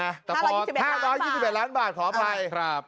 ห้าร้อยยี่สิบเอ็ดล้านบาทห้าร้อยยี่สิบเอ็ดล้านบาทขออภัยครับ